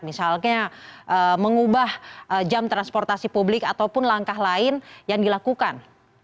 misalnya mengubah jam transportasi publik ataupun langkah lain yang dilakukan